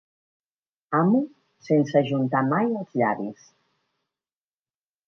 Amo sense ajuntar mai els llavis.